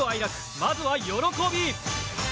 まずは、喜び。